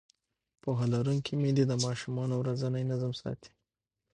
پوهه لرونکې میندې د ماشومانو ورځنی نظم ساتي.